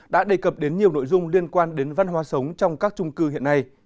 đã đề cập đến nhiều nội dung liên quan đến văn hóa sống trong các trung cư hiện nay